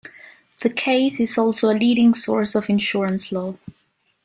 The case is also a leading source of insurance law.